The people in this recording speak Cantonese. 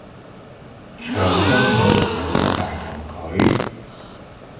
墙根个度有只大蠄蟝